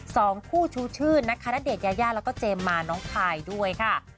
สองคู่ชูชื่นนะคะณเดชนยายาแล้วก็เจมส์มาน้องคายด้วยค่ะ